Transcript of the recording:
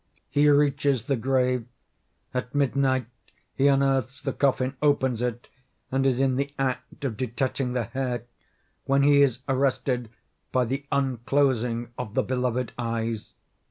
He reaches the grave. At midnight he unearths the coffin, opens it, and is in the act of detaching the hair, when he is arrested by the unclosing of the beloved eyes.